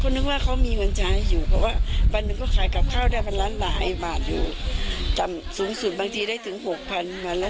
ข้าส่งได้รถกี่ครั้งเคยก็ส่งได้พอเขามาเจอโควิดนี่แหละ